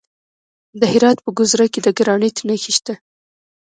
د هرات په ګذره کې د ګرانیټ نښې شته.